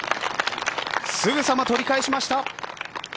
すぐさま取り返しました。